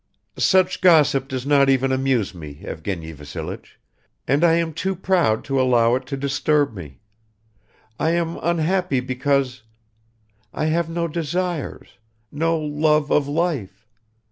"Such gossip does not even amuse me, Evgeny Vassilich, and I am too proud to allow it to disturb me. I am unhappy because ... I have no desires, no love of life.